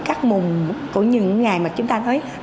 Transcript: các mùng của những ngày mà chúng ta nói